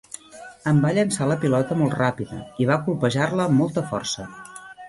Em va llençar la pilota molt ràpida i va colpejar-la amb molta força.